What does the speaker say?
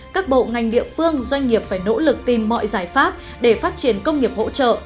các bộ ngành địa phương doanh nghiệp phải nỗ lực tìm mọi giải pháp để phát triển công nghiệp hỗ trợ